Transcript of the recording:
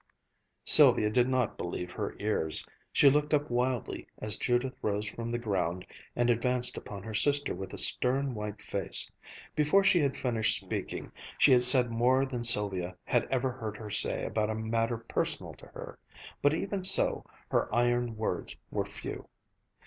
Sylvia did not believe her ears. She looked up wildly as Judith rose from the ground, and advanced upon her sister with a stern, white face. Before she had finished speaking, she had said more than Sylvia had ever heard her say about a matter personal to her; but even so, her iron words were few.